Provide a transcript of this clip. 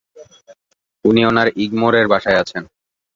উনি ওনার ইগমোরের বাসায় আছেন।